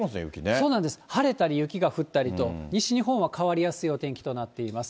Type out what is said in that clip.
そうなんです、晴れたり雪が降ったりと、西日本は変わりやすいお天気となっております。